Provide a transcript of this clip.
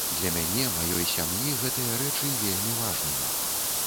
Для мяне, маёй сям'і гэтыя рэчы вельмі важныя.